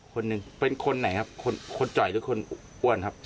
คนหนึ่งเป็นคนไหนครับคนจ่อยหรือคนอ้วนครับ